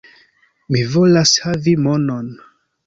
Mi volas havi monon.